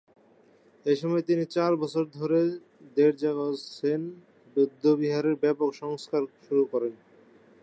এইসময় তিনি চার বছর ধরে র্দ্জোগ্স-ছেন বৌদ্ধবিহারের ব্যাপক সংস্কার শুরু করেন।